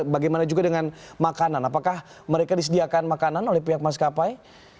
bagaimana juga dengan makanan apakah mereka disediakan makanan oleh pihak maskapai